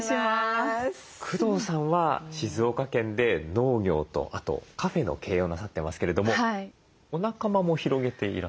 工藤さんは静岡県で農業とあとカフェの経営をなさってますけれどもお仲間も広げていらっしゃる？